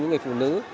những người phụ nữ